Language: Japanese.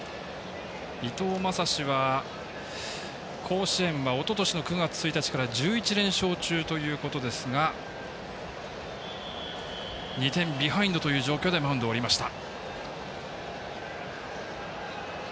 伊藤将司は甲子園はおととしの９月１日から１１連勝中ということですが２点ビハインドという状況でマウンドを降りました。